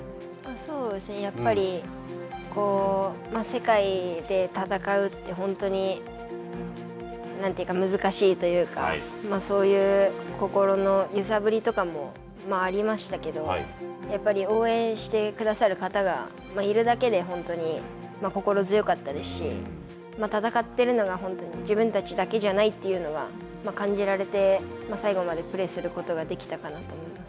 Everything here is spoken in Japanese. やっぱり世界で戦うって本当に、何というか、難しいというか、そういう心の揺さぶりとかもありましたけど、やっぱり応援してくださる方がいるだけで、本当に心強かったですし、戦っているのが本当に、自分たちだけじゃないっていうのが、感じられて、最後までプレーすることができたかなと思います。